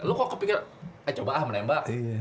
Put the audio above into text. lo kok kepikiran eh coba ah menembak